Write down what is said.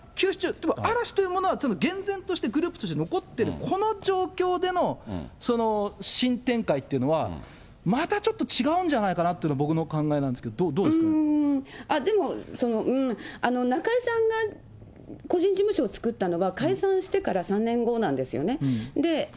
つまり嵐というものは厳然としてグループとして残っている、この状況での新展開というのは、またちょっと違うんじゃないかなというのが僕の考えなんですけど、でも、中居さんが個人事務所を作ったのは、解散してから３年後なんですよね。